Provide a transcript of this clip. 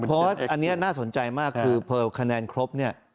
เพราะว่าอันนี้น่าสนใจมากคือพอคะแนนครบเนี่ย